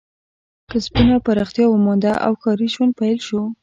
کسبونه پراختیا ومونده او ښاري ژوند پیل شو.